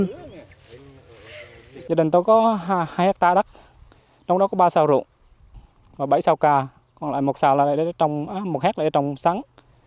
nhà đình tôi có hai hectare đắk trong đó có ba sào rượu và bảy sào cà còn lại một hectare là để trồng sáng